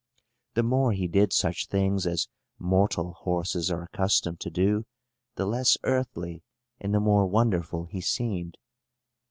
The more he did such things as mortal horses are accustomed to do, the less earthly and the more wonderful he seemed.